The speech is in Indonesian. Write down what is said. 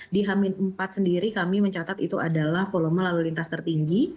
di hamin empat sendiri kami mencatat itu adalah volume lalu lintas tertinggi